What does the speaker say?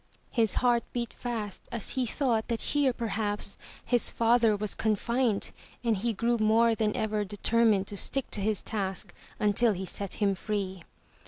His heart beat fast as he thought that here perhaps his father was confined and he grew more than ever determined to stick to his task until he set him free.